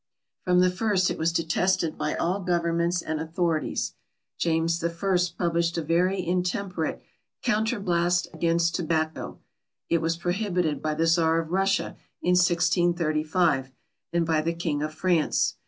From the first it was detested by all governments and authorities. James I published a very intemperate Counterblast against Tobacco. It was prohibited by the Czar of Russia in 1635, and by the King of France.